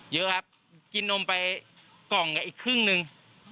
เยอะครับกินนมไปกล่องกับอีกครึ่งหนึ่ง